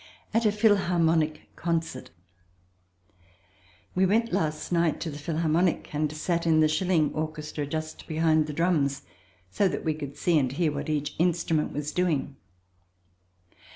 At a Philharmonic Concert We went last night to the Philharmonic and sat in the shilling orchestra, just behind the drums, so that we could see and hear what each instrument was doing.